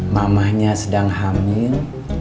mamanya sedang hamil